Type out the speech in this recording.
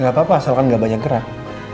gak apa apa asalkan gak banyak gerak